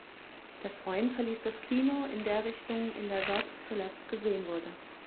Der Freund verließ das Kino in der Richtung, in der Dodd zuletzt gesehen wurde.